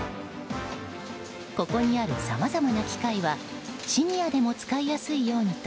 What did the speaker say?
ここにある、さまざまな機械はシニアでも使いやすいようにと